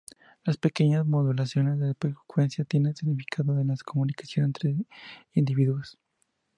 Las pequeñas modulaciones de frecuencias tienen significado en la comunicación entre individuos.